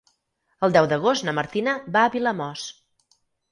El deu d'agost na Martina va a Vilamòs.